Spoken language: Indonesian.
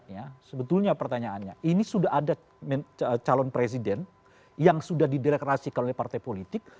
ya sebetulnya pertanyaannya ini sudah ada calon presiden yang sudah diderekrasikan oleh partai politik